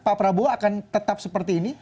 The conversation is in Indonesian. pak prabowo akan tetap seperti ini